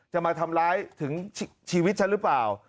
จะมาทำร้ายถึงชีวิตฉันหรือเปล่า